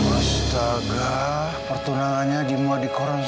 astaga pertunangannya dimulai di koron